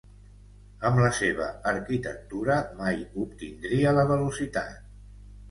Amb la seva arquitectura mai obtindria la velocitat.